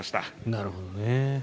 なるほどね。